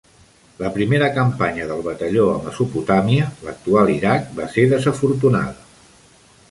La primera campanya del Batalló a Mesopotàmia, l'actual Iraq, va ser desafortunada.